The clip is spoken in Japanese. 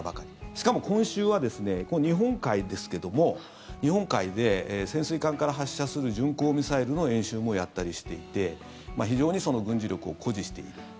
しかも、今週はここ、日本海ですけれども日本海で潜水艦から発射する巡航ミサイルの演習もやったりしていて非常に軍事力を誇示している。